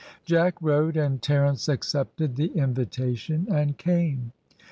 Jack wrote, and Terence accepted the invitation and came.